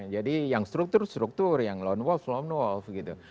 jadi yang struktur struktur yang lone wolf lone wolf gitu